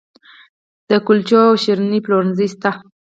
د کلچو او شیریني پلورنځي شته